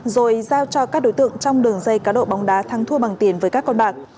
rồi giao cho các đối tượng trong đường dây cá độ bóng đá thắng thua bằng tiền với các con bạc